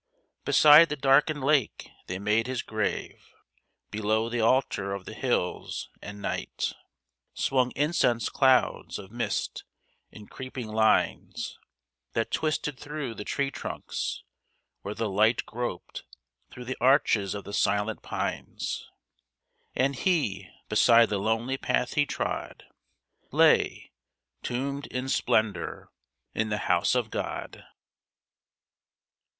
Beside the darkened lake they made his grave, Below the altar of the hills; and night Swung incense clouds of mist in creeping lines That twisted through the tree trunks, where the light Groped through the arches of the silent pines: And he, beside the lonely path he trod, Lay, tombed in splendour, in the House of God.